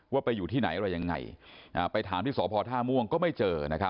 ไปอยู่ที่ไหนอะไรยังไงไปถามที่สพท่าม่วงก็ไม่เจอ